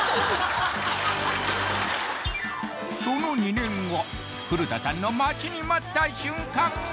その２年後古田さんの待ちに待った瞬間が！